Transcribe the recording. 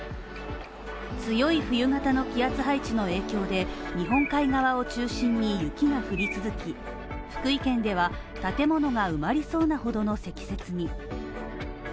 強い冬型の気圧配置の影響で日本海側を中心に雪が降り続き、福井県では建物が埋まりそうなほどの積雪に。